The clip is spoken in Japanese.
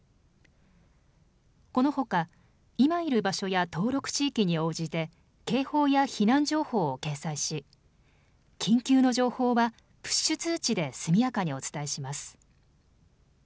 このほか、今いる場所や登録地域に応じて警報や避難情報を掲載し緊急の情報はプッシュ通知で速やかにお伝えします。